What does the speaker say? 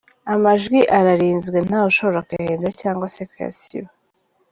Amajwi ararinzwe nta wushobora kuyahindura cyangwa se kuyasiba.